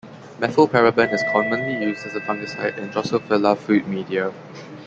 Methylparaben is commonly used as a fungicide in "Drosophila" food media.